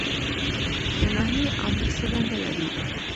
د ناحیې آمر څه دنده لري؟